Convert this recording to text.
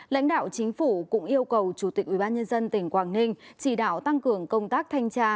lãnh đạo chính phủ cũng yêu cầu chủ tịch ủy ban nhân dân tỉnh quảng ninh chỉ đạo tăng cường công tác thanh tra